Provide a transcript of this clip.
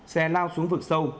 xe lao xuống vực sâu